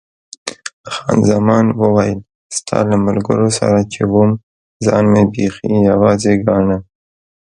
خان زمان وویل، ستا له ملګرو سره چې وم ځان مې بیخي یوازې ګاڼه.